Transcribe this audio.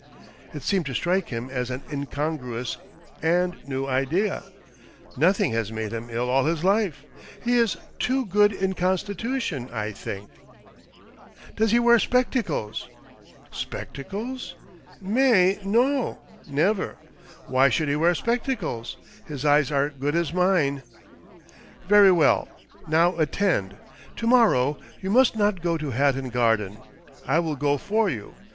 It seemed to strike him as an incon gruous and new idea. " Nothing has made him ill all his life — he is too good in constitution, I think." " Does he wear spectacles ?'* CASE OF THE '' MIltliOR OF PORTUGAL'' 120 "Spectacles? Mais non ! Never! "Why should he wear spectacles ? His eyes are good as mine." "Very well. Now attend. To morrow you must not go to Hatton Garden — I will go for you.